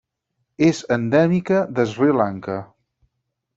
És endèmica de Sri Lanka.